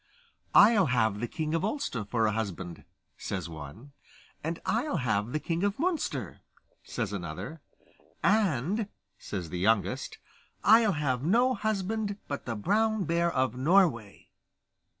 'I'll have the king of Ulster for a husband,' says one; 'and I'll have the king of Munster,' says another; 'and,' says the youngest, 'I'll have no husband but the Brown Bear of Norway.